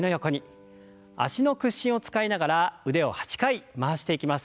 脚の屈伸を使いながら腕を８回回していきます。